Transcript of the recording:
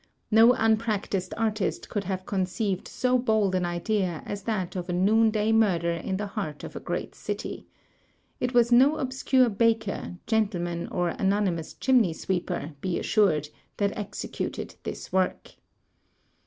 No unpracticed artist could have conceived so bold an idea as that of a noon day murder in the heart of a great city. It was no obscure baker, gentlemen, or anonymous chinmey sweeper, be assured, that executed this work.